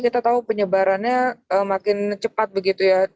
kita tahu penyebarannya makin cepat begitu ya